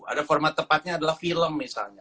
ada format tepatnya adalah film misalnya